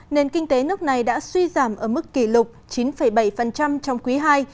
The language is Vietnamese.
nền kinh tế nước này đã suy giảm ở mức kỷ lục chín bảy trong quý ii